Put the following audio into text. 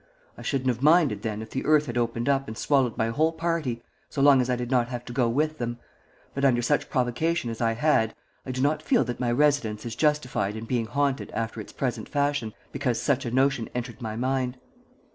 I shouldn't have minded then if the earth had opened up and swallowed my whole party, so long as I did not have to go with them, but under such provocation as I had I do not feel that my residence is justified in being haunted after its present fashion because such a notion entered my mind.